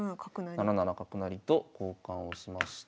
７七角成と交換をしまして。